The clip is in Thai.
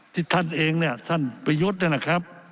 ที่ท่านเองท่านประยุทธ์นะครับ